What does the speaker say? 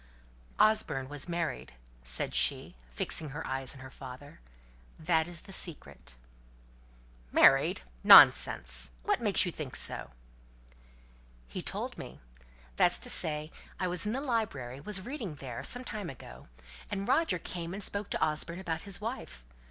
"Osborne was married," said she, fixing her eyes on her father. "That is the secret." "Married! Nonsense. What makes you think so?" "He told me. That's to say, I was in the library was reading there, some time ago; and Roger came and spoke to Osborne about his wife.